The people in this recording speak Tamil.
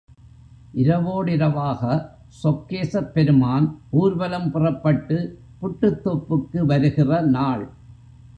இரவோடிரவாக, சொக்கேசப் பெருமான் ஊர்வலம் புறப்பட்டு புட்டுத்தோப்புக்கு வருகிற நாள்.